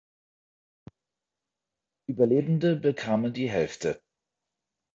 Überlebende bekamen die Hälfte.